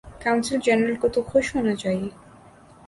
قونصل جنرل کو تو خوش ہونا چاہیے۔